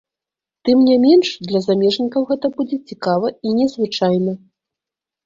Тым не менш для замежнікаў гэта будзе цікава і незвычайна.